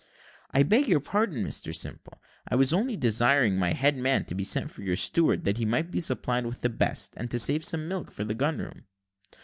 "I beg your pardon, Mr Simple, I was only desiring my head man to send for your steward, that he might be supplied with the best, and to save some milk for the gun room."